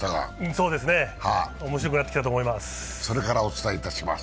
そうですね、面白くなってきたと思います。